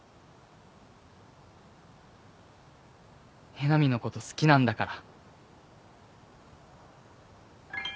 江波のこと好きなんだから。